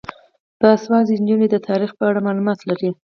باسواده نجونې د تاریخ په اړه معلومات لري.